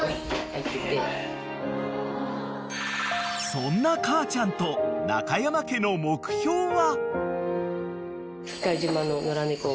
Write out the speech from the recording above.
［そんな母ちゃんと中山家の目標は？］